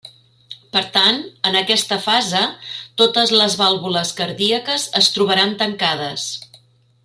Per tant, en aquesta fase totes les vàlvules cardíaques es trobaran tancades.